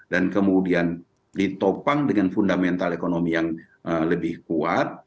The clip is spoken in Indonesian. dan kemudian ditopang dengan fundamental ekonomi yang lebih kuat